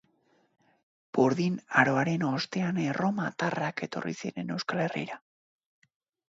Burdin aroaren ostean erromatarrak etorri ziren Euskal Herrira.